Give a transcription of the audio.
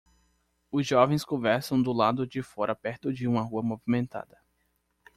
Os jovens conversam do lado de fora perto de uma rua movimentada.